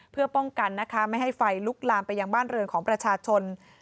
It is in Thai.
เพื่อป้องกันนะคะไม่ให้ไฟลุกลามไปยังบ้านเรือนของประชาชน